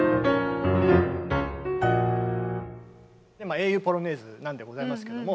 「英雄ポロネーズ」なんでございますけども。